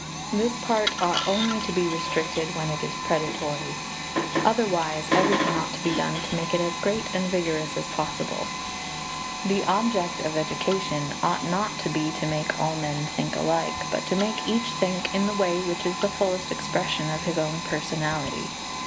This part ought only to be restricted when it is predatory; otherwise, everything ought to be done to make it as great and as vigorous as possible. The object of education ought not to be to make all men think alike, but to make each think in the way which is the fullest expression of his own personality.